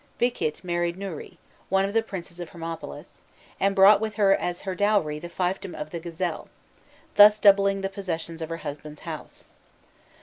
Biqît married Nûhri, one of the princes of Hermopolis, and brought with her as her dowry the fiefdom of the Gazelle, thus doubling the possessions of her husband's house.